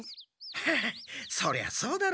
ハハッそりゃそうだろう。